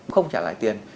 không trả lại tiền